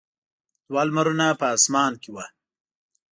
دوه لمرونه په اسمان کې وو.